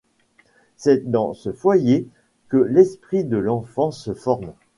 C'est dans ce foyer que l'esprit de l'enfant se forme.